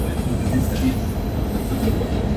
Es, hasta el momento, el single más exitoso de la cantante.